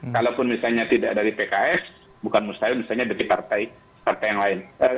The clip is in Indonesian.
kalaupun misalnya tidak dari pks bukan mustahil misalnya dari partai partai yang lain